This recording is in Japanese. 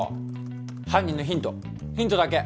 犯人のヒントヒントだけ。